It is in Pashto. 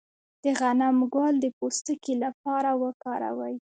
د غنم ګل د پوستکي لپاره وکاروئ